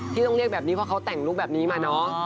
ที่ต้องเรียกแบบนี้เพราะเขาแต่งรูปแบบนี้มาเนอะ